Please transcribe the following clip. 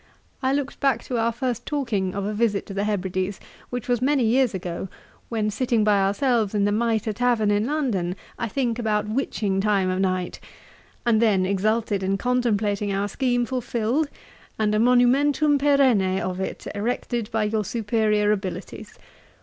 I looked back to our first talking of a visit a visit to the Hebrides, which was many years ago, when sitting by ourselves in the Mitre tavern, in London, I think about witching time o' night; and then exulted in contemplating our scheme fulfilled, and a monumentum perenne of it erected by your superiour abilities.